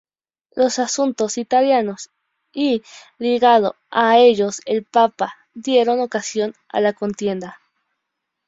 Los asuntos italianos y, ligado a ellos, el papa, dieron ocasión a la contienda.